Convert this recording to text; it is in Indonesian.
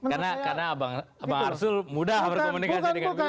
karena abang arsul mudah berkomunikasi dengan beliau